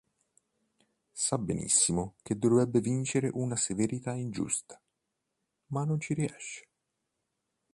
Sa benissimo che dovrebbe vincere una severità ingiusta; ma non ci riesce.